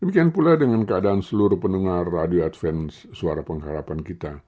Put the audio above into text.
demikian pula dengan keadaan seluruh pendengar radio advance suara pengharapan kita